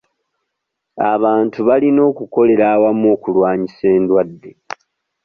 Abantu balina okukolera awamu okulwanyisa endwadde.